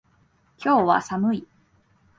今日は寒い。